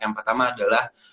yang pertama adalah